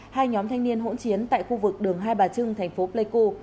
hai nhóm thanh niên hỗn chiến tại khu vực đường hai bà trưng thành phố pleiku